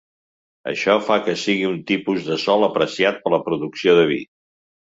Això fa que sigui un tipus de sòl apreciat per a la producció de vi.